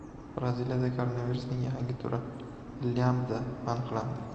Braziliyada koronavirusning yangi turi — "lyambda" aniqlandi